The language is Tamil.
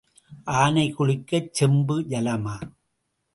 ஆனை குளிக்கச் செம்பு ஜலமா?